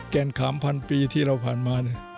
แก่นขามพันปีที่เราผ่านมา